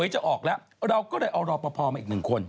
จะออกแล้วเราก็จะให้รอบภพโครมอีกหนึ่งคน